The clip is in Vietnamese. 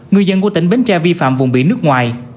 người dân của tỉnh bến tre vi phạm vùng biển nước ngoài